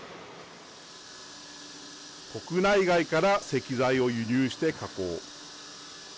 国内外から石材を輸入して加工。